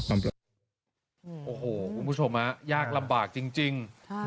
คุณผู้ชมยากลำบากจริง